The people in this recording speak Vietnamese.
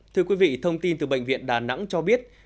thưa quý vị thông tin từ bệnh viện đà nẵng cho biết